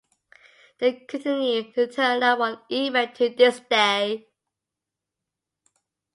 They continue to turn up on eBay to this day.